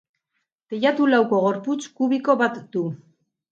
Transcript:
Teilatu lauko gorputz kubiko bat du.